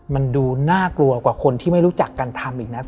มันดูน่ากลัวกว่าคนที่ไม่รู้จักกันทำอีกนะ